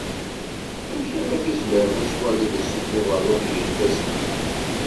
Amek ara tizmireḍ ad t-waliḍ issufuɣ ṛṛuḥ gar yifassen-ik?